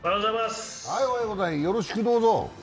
よろしくどうぞ。